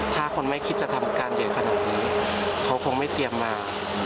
ถ้าคนไม่คิดจะทำอาการใหญ่ขนาดนี้เขาคงไม่เตรียมมา